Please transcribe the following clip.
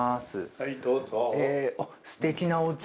はいどうぞ。